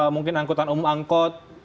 mungkin angkutan umum angkot